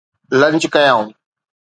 lunch ڪيائون